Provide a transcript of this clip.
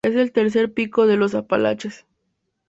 Es el tercer pico de los Apalaches.